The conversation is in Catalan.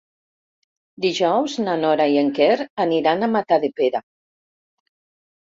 Dijous na Nora i en Quer aniran a Matadepera.